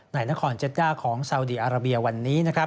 ในนครเจ็ดด้าของซาวดีอาราเบียวันนี้นะครับ